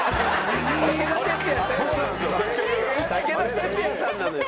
武田鉄矢武田鉄矢さんなのよ。